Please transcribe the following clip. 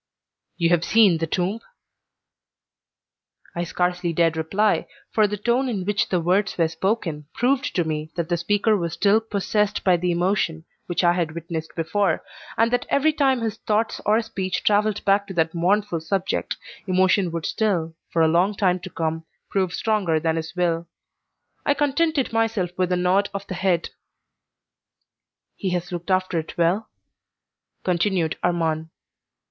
"You have seen the tomb?" I scarcely dared reply, for the tone in which the words were spoken proved to me that the speaker was still possessed by the emotion which I had witnessed before, and that every time his thoughts or speech travelled back to that mournful subject emotion would still, for a long time to come, prove stronger than his will. I contented myself with a nod of the head. "He has looked after it well?" continued Armand.